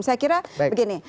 saya kira begini